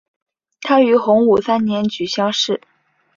他于洪武三年举乡试。